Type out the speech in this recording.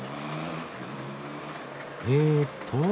えっと